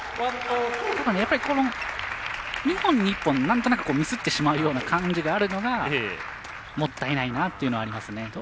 ただ２本に１本、なんとなくミスってしまうような感じがあるのがもったいないなっていうのがありますね。